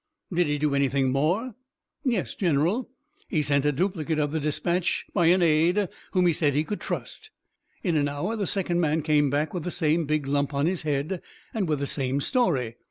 "Did he do anything more?" "Yes, General. He sent a duplicate of the dispatch by an aide whom he said he could trust. In an hour the second man came back with the same big lump on his head and with the same story.